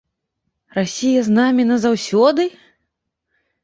Расія з намі назаўсёды?